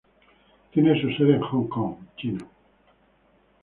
Tiene su sede en Hong Kong, China.